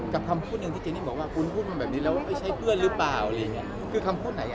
กับคำพูดที่เจนนี่บอกว่าวุ้นพูดมันแบบนี้แล้วไม่ใช่เพื่อนหรือเปล่าคือคำพูดไหน